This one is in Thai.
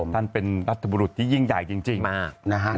ท่านเป็นรัฐบุรุษที่ยิ่งใหญ่จริงมากนะฮะ